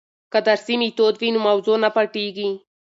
که درسي میتود وي نو موضوع نه پټیږي.